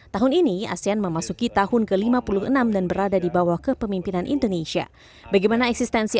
tahun ini asean memasuki tahun ke lima puluh enam dan berada di bawah kepemimpinan indonesia bagaimana eksistensi